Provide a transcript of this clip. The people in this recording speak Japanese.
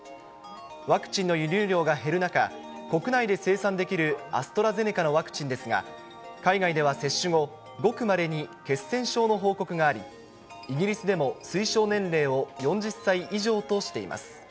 ワクチンの輸入量が減る中、国内で生産できるアストラゼネカのワクチンですが、海外では接種後、ごくまれに血栓症の報告があり、イギリスでも推奨年齢を４０歳以上としています。